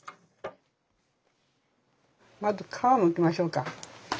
まず皮むきましょうか。